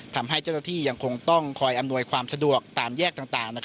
ทำให้เจ้าหน้าที่ยังคงต้องคอยอำนวยความสะดวกตามแยกต่าง